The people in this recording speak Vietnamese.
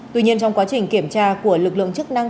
tuy nhiên trong quá trình kiểm tra của lực lượng chức năng